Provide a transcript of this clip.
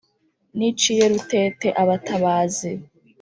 Niciye Rutete abatabazi.